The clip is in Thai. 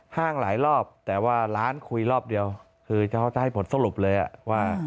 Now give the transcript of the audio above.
ห้างหลายรอบแต่ว่าร้านคุยรอบเดียวคือเขาจะให้ผลสรุปเลยว่า